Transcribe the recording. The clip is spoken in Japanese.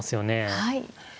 はい。